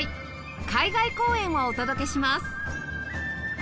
海外公演をお届けします